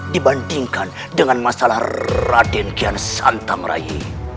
dibandingkan dengan masalah raden kian santam rayi